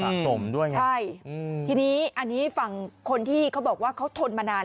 สมด้วยนะใช่อืมทีนี้อันนี้ฝั่งคนที่เขาบอกว่าเขาทนมานาน